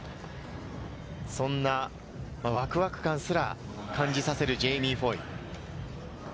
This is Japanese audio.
そんなワクワク感すら感じさせるジェイミー・フォイ。